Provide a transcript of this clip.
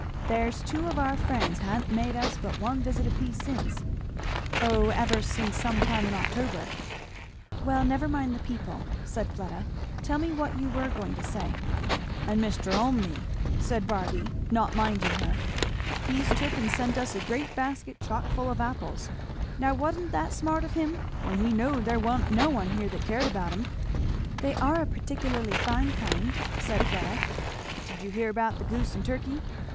"There's two of our friends ha'n't made us but one visit a piece since oh, ever since some time in October!" "Well never mind the people," said Fleda. "Tell me what you were going to say." "And Mr. Olmney," said Barby not minding her, "he's took and sent us a great basket chock full of apples. Now wa'n't that smart of him, when he knowed there wa'n't no one here that cared about 'em?" "They are a particularly fine kind," said Fleda. "Did you hear about the goose and turkey?"